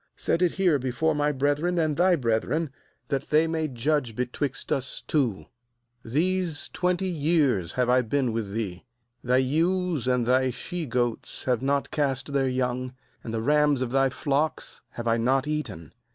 Set it here before my brethren and thy brethren, that they may judge betwixt us twot. 38These twenty years have I been with thee; thy ewes and thy she goats have not cast their young, and the rams of thy flocks have I not eaten.